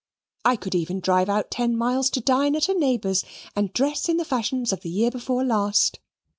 I could even drive out ten miles to dine at a neighbour's, and dress in the fashions of the year before last.